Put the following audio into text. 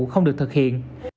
không được thực hiện